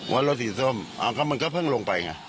ว่ารถสีส้มอ้าวมันก็เพิ่งลงไป